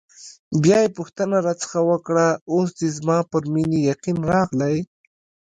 بیا یې پوښتنه راڅخه وکړه: اوس دې زما پر مینې یقین راغلی؟